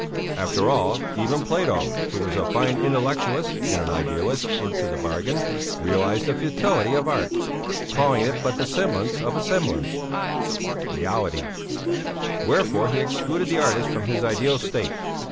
After all, even Plato, who was a fine intellectualist and an idealist into the bargain, realized the futility of art, calling it but the semblance of a semblance ( reality); wherefore he excluded the artist from his ideal state.